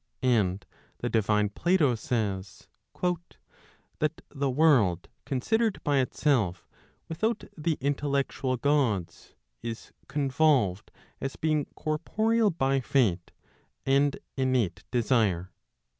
And the divine Plato says, " that the world considered by itself, without the intellectual Gods, is convolved as being corporeal by Fate, and innate desire."